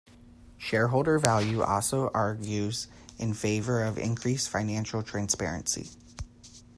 Shareholder value also argues in favor of increased financial transparency.